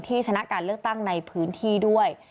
ชนะการเลือกตั้งในพื้นที่ด้วย